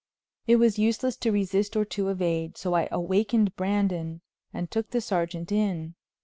It was useless to resist or to evade, so I awakened Brandon and took the sergeant in.